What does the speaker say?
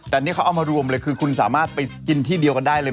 แต่นี่เขาเอามารวมเลยคือคุณสามารถไปกินที่เดียวกันได้เลย